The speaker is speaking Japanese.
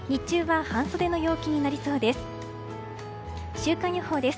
週間予報です。